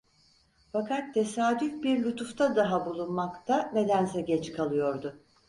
Fakat tesadüf bir lütufta daha bulunmakta nedense geç kalıyordu.